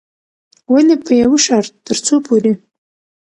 ولې په يوه شرط، ترڅو پورې